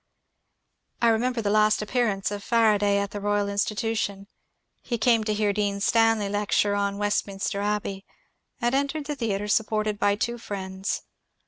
^ I remember the last appearance of Faraday at the Boyal Institution ; he came to hear Dean Stanley lecture on West minster Abbey, and entered the theatre supported by two friends.